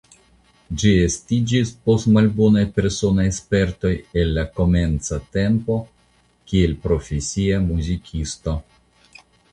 Ĝi estiĝis post malbonaj personaj spertoj el la komenca tempo kiel profesia muzikisto.